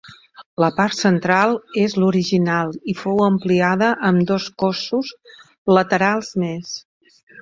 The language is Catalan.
La part central és l’original i fou ampliada amb dos cossos laterals més.